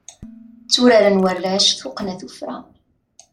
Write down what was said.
Tturaren warrac tuqqna tuffra.